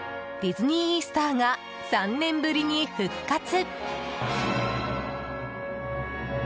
ディズニー・イースターが３年ぶりに復活。